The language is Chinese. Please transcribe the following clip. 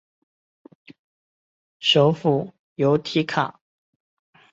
首府由提卡。